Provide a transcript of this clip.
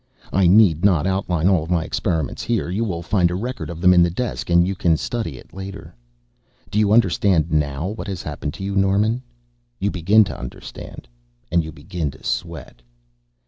"I need not outline all my experiments here. You will find a record of them in the desk and you can study it later. "Do you understand now what has happened to you, Norman?" You begin to understand. And you begin to sweat.